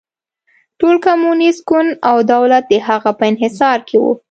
ټول کمونېست ګوند او دولت د هغه په انحصار کې و.